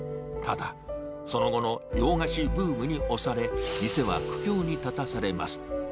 ただ、その後の洋菓子ブームに押され、店は苦境に立たされます。